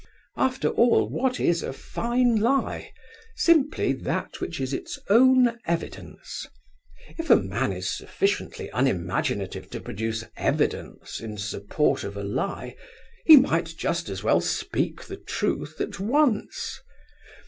After all, what is a fine lie? Simply that which is its own evidence. If a man is sufficiently unimaginative to produce evidence in support of a lie, he might just as well speak the truth at once.